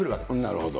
なるほど。